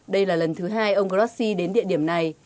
đây là lần thứ hai ông grossi đến địa điểm này